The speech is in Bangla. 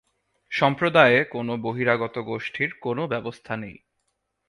সম্প্রদায়ে কোনও বহিরাগত গোষ্ঠীর কোনও ব্যবস্থা নেই।